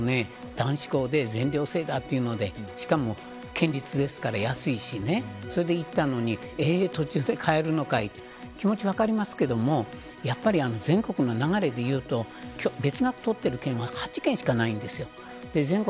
男子校で全寮制だというのでしかも県立ですから安いしそれで行ったのに途中で変えるのかいと気持ちは分かりますけれど全国の流れでいうと別学をとっている県は８県しかないです。